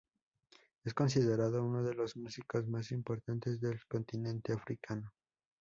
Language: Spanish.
Es considerado uno de los músicos más importantes del continente africano.